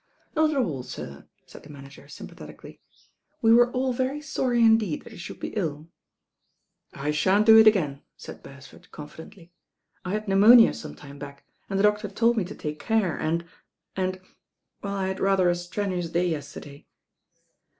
"Not at all, sir," said the manager sympatheti THE MEETING WITH THE RAIN GIRL 156 cally, "we were all very sorry indeed that you should be m/' "I shan't do it again," said Beresford confidently. "I had pneumonia some time back, and the doctor told me to take care, and — and — ^well, I had rather a strenuous day yesterday."